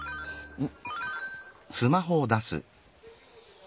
うん。